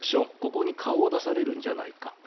ここに顔を出されるんじゃないか。